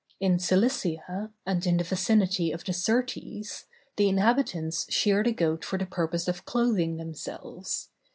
In Cilicia, and in the vicinity of the Syrtes, the inhabitants shear the goat for the purpose of clothing themselves.